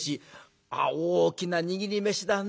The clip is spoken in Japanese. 「あっ大きな握り飯だね。